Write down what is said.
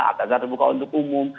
akadah terbuka untuk umum